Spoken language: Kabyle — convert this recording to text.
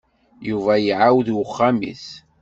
Yuba iɛawed i uxxam-is.